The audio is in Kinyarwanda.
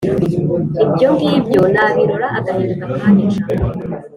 Ibyo ngibyo nabirora agahinda kakanyica